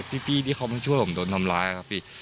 พี่ที่เขามาช่วยผมโดนทำร้ายครับพี่